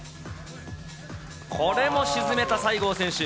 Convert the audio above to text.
これも沈めた西郷選手。